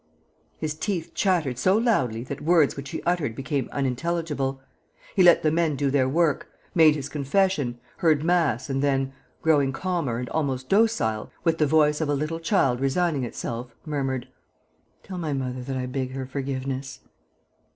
His teeth chattered so loudly that words which he uttered became unintelligible. He let the men do their work, made his confession, heard mass and then, growing calmer and almost docile, with the voice of a little child resigning itself, murmured: "Tell my mother that I beg her forgiveness."